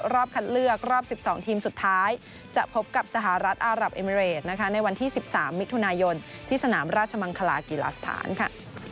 รอบคัดเลือกรอบ๑๒ทีมสุดท้ายจะพบกับสหรัฐอารับเอมิเรดนะคะในวันที่๑๓มิถุนายนที่สนามราชมังคลากีฬาสถานค่ะ